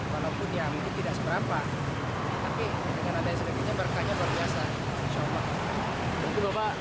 walaupun yang ini tidak seberapa tapi dengan adanya sedekahnya berkanya berbiasa